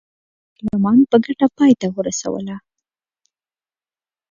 پارلمان په ګټه پای ته ورسوله.